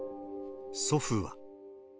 祖父は。